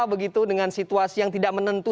begitu dengan situasi yang tidak menentu